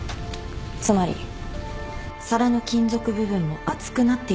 つまり皿の金属部分も熱くなっていたはずなんです。